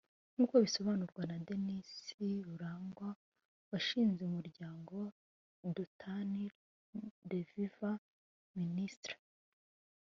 nk’uko bisobanurwa na Denis Rurangwa washinze umuryango Dothan Revival Ministries